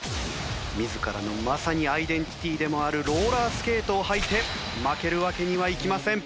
自らのまさにアイデンティティーでもあるローラースケートを履いて負けるわけにはいきません。